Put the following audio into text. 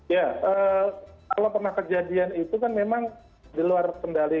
ya kalau pernah kejadian itu kan memang di luar kendali